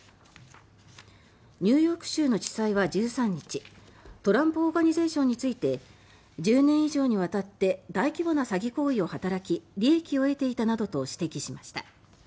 ニューヨーク州の地裁は１３日トランプ・オーガニゼーションについて１０年以上にわたって大規模な詐欺行為を働き利益を得ていたなどと指摘しました。